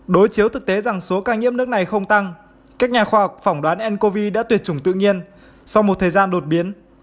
nhiều nhà khoa học phỏng đoán ncov đã tuyệt chủng tự nhiên sau một thời gian đột biến